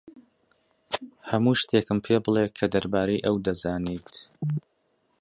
هەموو شتێکم پێ بڵێ کە دەربارەی ئەو دەزانیت.